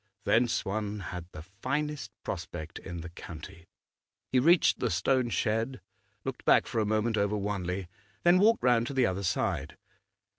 Thence one had the finest prospect in the county. He reached the stone shed, looked back for a moment over Wanley, then walked round to the other side.